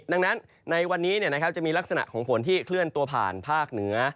ดังนั้นในวันนี้จะมีลักษณะของฝนที่เคลื่อนตัวผ่านภาคเหนือ